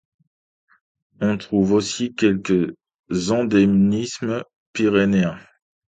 On trouve aussi quelques endémismes pyrénéens.